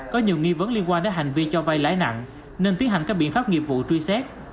có nhiều nghi vấn liên quan đến hành vi cho vay lãi nặng nên tiến hành các biện pháp nghiệp vụ truy xét